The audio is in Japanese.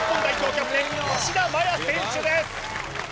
キャプテン吉田麻也選手です！